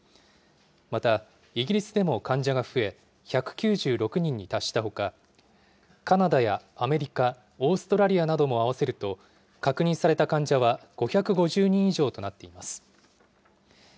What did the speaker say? また、イギリスでも患者が増え、１９６人に達したほか、カナダやアメリカ、オーストラリアなども合わせると確認された患者は５５０人以上となっています。